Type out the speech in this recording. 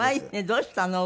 どうしたの？